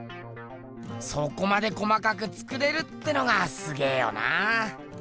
そこまで細かく作れるってのがすげぇよな。